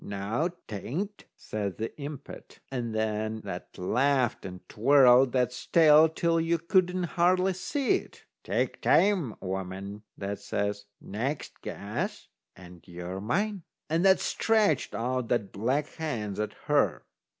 "Noo, 'tain't," says the impet. And then that laughed and twirled that's tail till you couldn't hardly see it. "Take time, woman," that says; "next guess, and you're mine." And that stretched out that's black hands at her.